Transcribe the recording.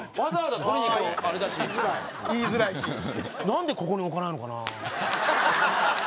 なんでここに置かないのかな。